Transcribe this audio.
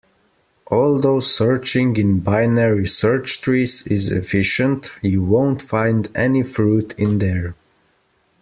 Although searching in binary search trees is efficient, you won't find any fruit in there.